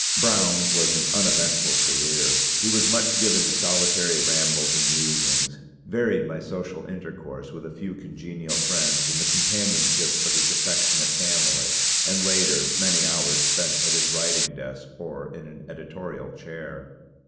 Brown's was an uneventful career. He was much given to solitary rambles and musings, varied by social intercourse with a few congenial friends and the companionship of his affectionate family, and later, many hours spent at his writing desk or in an editorial chair.